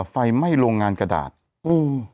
ไฟไหม้โรงงานกระดาษอืม